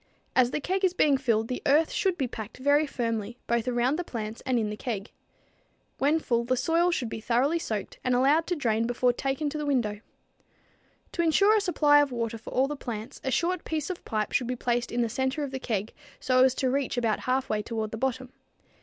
As the keg is being filled the earth should be packed very firmly, both around the plants and in the keg. When full the soil should be thoroughly soaked and allowed to drain before being taken to the window. To insure a supply of water for all the plants, a short piece of pipe should be placed in the center of the keg so as to reach about half way toward the bottom.